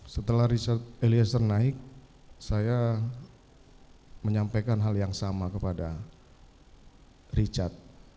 setelah richard eliezer naik saya menyampaikan hal yang sama kepada richard